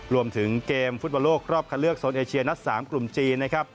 รวมถึงเกมฟุตบาลโลกรอบคันเลือกสนเอเชียนัก๓กลุ่มจีน